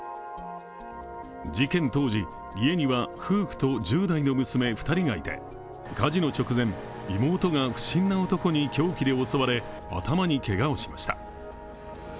事件当時、家には夫婦と１０代の娘２人がいて火事の直言、妹が不審な男に凶器で襲われ頭にけがをしました。